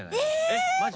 えっマジ？